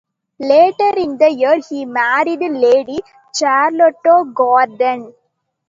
Later in the year he married Lady Charlotte Gordon.